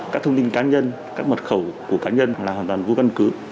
các thông tin cá nhân các mật khẩu của cá nhân là hoàn toàn vô căn cứ